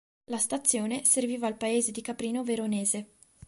La stazione serviva il paese di Caprino Veronese.